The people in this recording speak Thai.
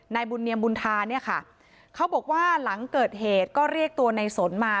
นายบุญเนียมบุญธาเนี่ยค่ะเขาบอกว่าหลังเกิดเหตุก็เรียกตัวในสนมา